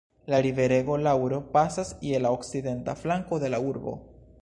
La riverego Luaro pasas je la okcidenta flanko de la urbo.